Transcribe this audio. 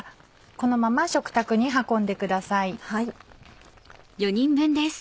このまま食卓に運んでください。